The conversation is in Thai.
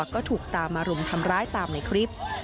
ก็ถูกตามมารุมทำร้ายตามในคลิป